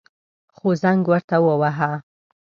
خو زنگ ورته وواهه.